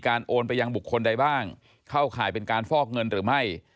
โอนไปยังบุคคลใดบ้างเข้าข่ายเป็นการฟอกเงินหรือไม่